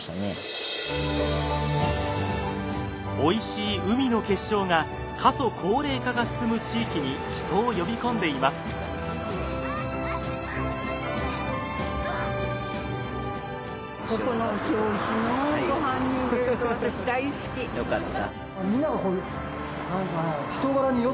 おいしい海の結晶が過疎高齢化が進む地域に人を呼び込んでいます。よかった。